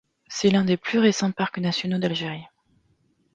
C'est l'un des plus récents parcs nationaux d'Algérie.